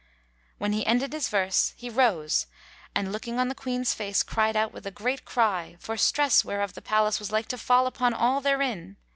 When he ended his verse he rose and looking on the Queen's face, cried out with a great cry, for stress whereof the palace was like to fall upon all therein.